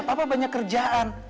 papa banyak kerjaan